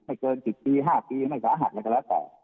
ไม่เกิน๑๐ปี๕ปีไม่ก็อาหารอะไรก็และแต่